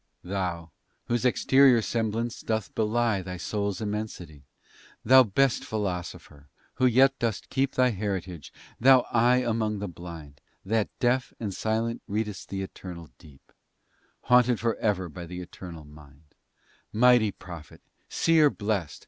Thou, whose exterior semblance doth belie Thy Soul's immensity; Thou best Philosopher, who yet dost keep Thy heritage, thou Eye among the blind, That, deaf and silent, read'st the eternal deep, Haunted for ever by the eternal mind,— Mighty Prophet! Seer blest!